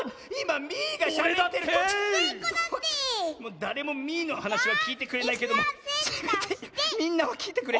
だれもミーのはなしはきいてくれないけどせめてみんなはきいてくれ。